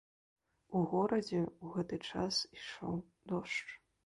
У горадзе ў гэты час ішоў дождж.